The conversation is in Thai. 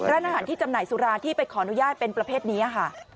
ร้านอาหารที่จำหน่ายสุราที่ไปขออนุญาตเป็นประเภทนี้ค่ะ